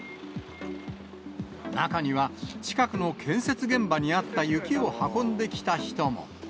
中には、近くの建設現場にあった雪を運んできた人も。